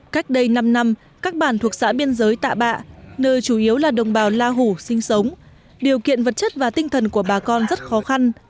cách đây năm năm các bản thuộc xã biên giới tạ bạ nơi chủ yếu là đồng bào la hủ sinh sống điều kiện vật chất và tinh thần của bà con rất khó khăn